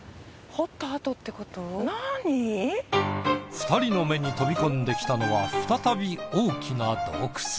２人の目に飛び込んできたのは再び大きな洞窟。